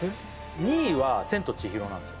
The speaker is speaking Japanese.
２位は「千と千尋」なんですよ